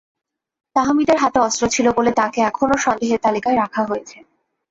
তাহমিদের হাতে অস্ত্র ছিল বলে তাঁকে এখনো সন্দেহের তালিকায় রাখা হয়েছে।